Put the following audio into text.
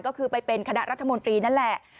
ก็คือไปเป็นคณะรัฐมนตรีนั่นแหละ